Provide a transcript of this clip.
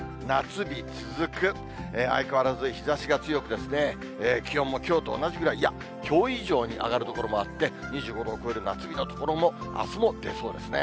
相変わらず日ざしが強く、気温もきょうと同じぐらい、いや、きょう以上に上がる所もあって、２５度を超える夏日の所もあすも出そうですね。